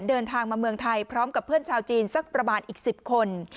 เดินทางมาเมืองไทยพร้อมกับเพื่อนชาวจีนสักประมาณอีก๑๐คน